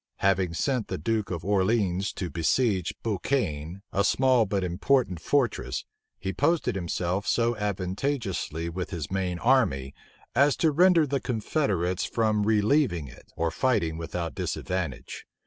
Having sent the duke of Orleans to besiege Bouchaine, a small but important fortress, he posted himself so advantageously with his main army, as to hinder the confederates from relieving it, or fighting without disadvantage.